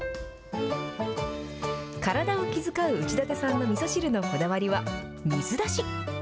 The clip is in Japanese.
体を気遣う内館さんのみそ汁のこだわりは、水出し。